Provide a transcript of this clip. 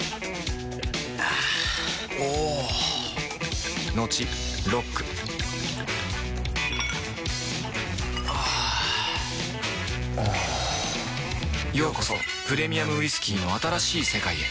あぁおぉトクトクあぁおぉようこそプレミアムウイスキーの新しい世界へ